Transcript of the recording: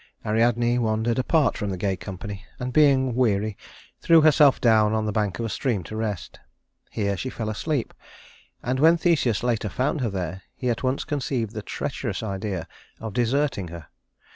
Ariadne wandered apart from the gay company, and being weary, threw herself down on the bank of a stream to rest. Here she fell fast asleep, and when Theseus later found her there, he at once conceived the treacherous idea of deserting her.